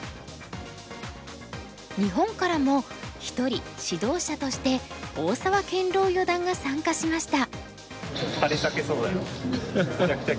日本からも一人指導者として大澤健朗四段が参加しました。